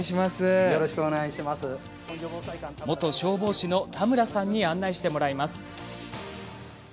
元消防士の田村さんに案内してもらいます。